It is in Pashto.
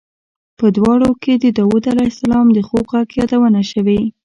په دواړو کې د داود علیه السلام د خوږ غږ یادونه شوې.